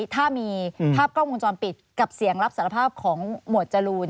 ถ้ามีภาพกล้องวงจรปิดกับเสียงรับสารภาพของหมวดจรูน